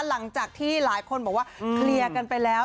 หลังจากที่หลายคนบอกว่าเคลียร์กันไปแล้ว